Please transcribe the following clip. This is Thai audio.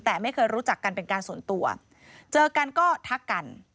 แต่ไม่เคยรู้จักกันเป็นการส่วนตัวเจอกันก็ทักกัน